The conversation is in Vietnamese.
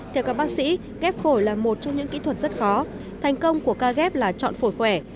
theo các bác sĩ ghép phổi là một trong những kỹ thuật rất khó thành công của ca ghép là chọn phổi khỏe